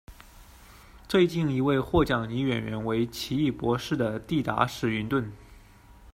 最近一位获奖女演员为《奇异博士》的蒂达·史云顿。